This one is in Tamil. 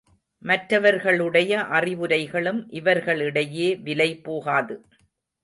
மற்றவர்களுடைய அறிவுரைகளும் இவர்களிடையே விலை போகாது.